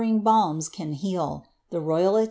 ing balms can heal. The rojal ai